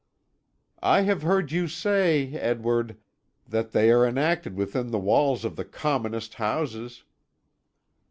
"I have heard you say, Edward, that they are enacted within the walls of the commonest houses."